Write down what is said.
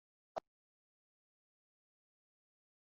ya na àkpa ego ahụ o zuru